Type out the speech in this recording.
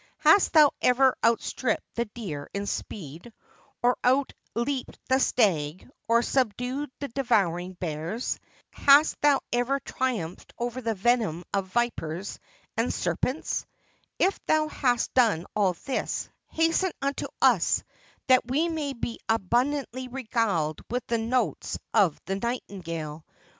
Hast thou ever outstripped the deer in speed, or out leaped the stag, or subdued the devouring bears? Hast thou ever triumphed over the venom of vipers and ser pents? If thou hast done all this, hasten unto us, that we may be abundantly regaled with the notes of the nightingale.